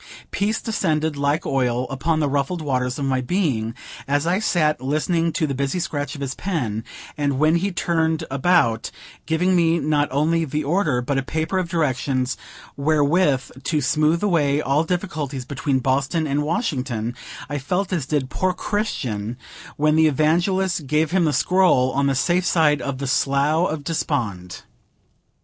Peace descended, like oil, upon the ruffled waters of my being, as I sat listening to the busy scratch of his pen; and, when he turned about, giving me not only the order, but a paper of directions wherewith to smooth away all difficulties between Boston and Washington, I felt as did poor Christian when the Evangelist gave him the scroll, on the safe side of the Slough of Despond.